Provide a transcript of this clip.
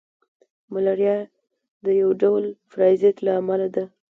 ملاریا د یو ډول پرازیت له امله ده